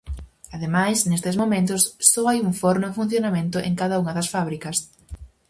Ademais, nestes momentos só hai un forno en funcionamento en cada unha das fábricas.